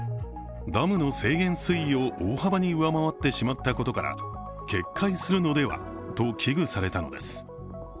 ダムの制限水位を大幅に上回ってしまったことから決壊するのではと危惧されたのです。